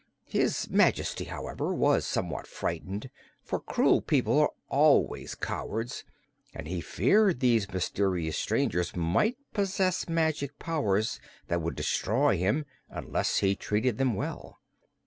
His Majesty, however, was somewhat frightened, for cruel people are always cowards, and he feared these mysterious strangers might possess magic powers that would destroy him unless he treated them well.